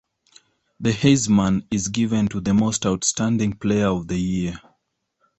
"The Heisman is given to the Most Outstanding Player of the year"